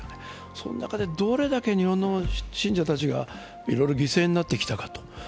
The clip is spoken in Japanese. そんな中でどれだけ日本の信者たちがいろいろ犠牲になってきたか。